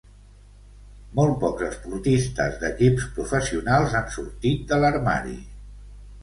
Molt pocs esportistes d'equips professionals han sortit de l'armari.